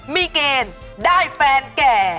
มีเกณฑ์ได้แฟนแก่